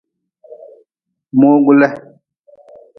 Mogu le.